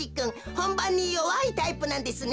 ほんばんによわいタイプなんですね。